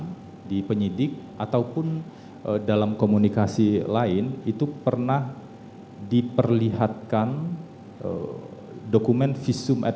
pemeriksaan di penyidik ataupun dalam komunikasi lain itu pernah diperlihatkan dokumen visum etni